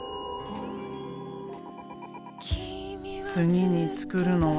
次に作るのは。